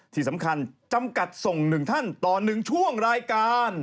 ที่สำคัญจำกัดส่ง๑ท่านต่อ๑ช่วงรายการ